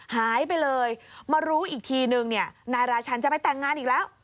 หายไปเลยมารู้อีกทีนึงเนี่ยนายราชันจะไปแต่งงานอีกแล้ว